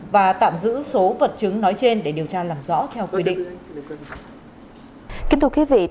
và tạm giữ số vật chứng nói trên để điều tra làm rõ theo quy định